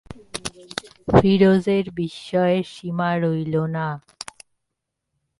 ফিরোজের বিস্ময়ের সীমা রইল না।